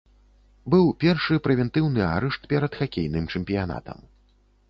Быў першы прэвентыўны арышт перад хакейным чэмпіянатам.